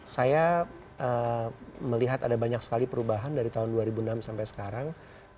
saya melihat ada banyak sekali perubahan dari tahun dua ribu enam sampai sekarang